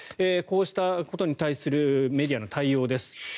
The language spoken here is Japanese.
こうしたことに対するメディアの対応です。